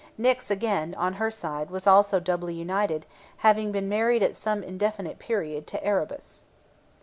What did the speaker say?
Nyx again, on her side was also doubly united, having been married at some indefinite period to Erebus.